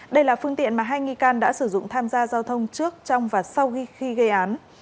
đây là phương tiện mà hai nghi can đã sử dụng tham gia giao thông trước trong và sau khi gây án